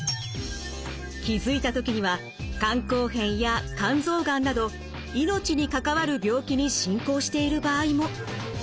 気付いた時には肝硬変や肝臓がんなど命に関わる病気に進行している場合も。